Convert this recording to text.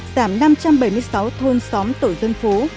giảm năm trăm bảy mươi sáu thôn xóm tổ dân phố